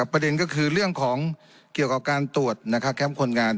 ประเด็นก็คือเรื่องของเกี่ยวกับการตรวจแคมป์คนงาน